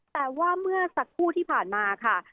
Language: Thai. แต่ว่าเมื่อสักครู่ที่ผ่านมาค่ะ